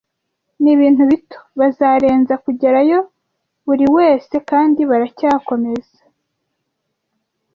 Nibintu bito, bazarenza kugerayo buriwese, kandi baracyakomeza.